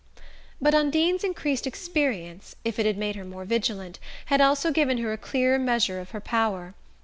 But Undine's increased experience, if it had made her more vigilant, had also given her a clearer measure of her power.